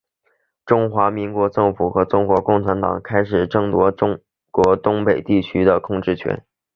中华民国政府和中国共产党开始争夺中国东北地区的控制权。